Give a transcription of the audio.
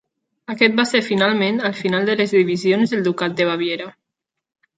Aquest va ser finalment, el final de les divisions del ducat de Baviera.